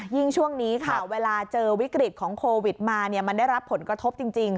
ช่วงนี้ค่ะเวลาเจอวิกฤตของโควิดมามันได้รับผลกระทบจริง